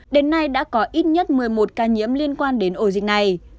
đến nay đã có ít nhất một mươi một ca nhiễm liên quan đến ổ dịch này